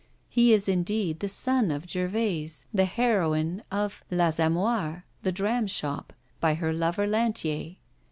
He is, indeed, the son of Gervaise, the heroine of L'Assommoir ['The Dram Shop'), by her lover Lantier.